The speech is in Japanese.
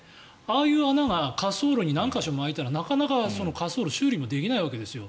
ああいう穴が滑走路に何か所も開いたらなかなか滑走路を修理もできないわけですよ。